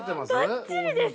◆ばっちりです。